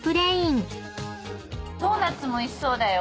ドーナツもおいしそうだよ。